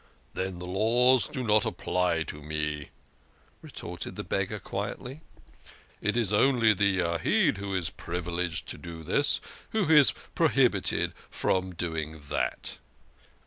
" Then the laws do not apply to me," retorted the beggar quietly. " It is only the Yahid who is privileged to do this, who is prohibited from doing that.